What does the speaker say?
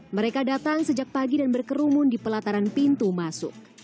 mereka datang sejak pagi dan berkerumun di pelataran pintu masuk